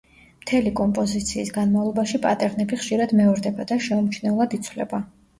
მთელი კომპოზიციის განმავლობაში პატერნები ხშირად მეორდება და შეუმჩნევლად იცვლება.